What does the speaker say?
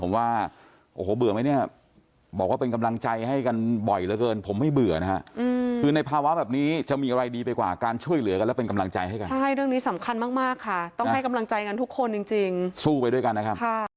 เรียกว่าอิ่มตั้งแต่มื้อเย็นเมื่อวานจนมาถึงเช้าวันนี้เลยนะคะ